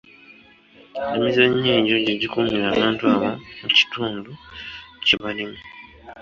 Emizannyo egyo gye gikuumira abantu abo mu kitundu kye balimu.